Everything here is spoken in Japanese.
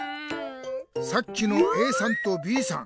さっきのＡさんとＢさん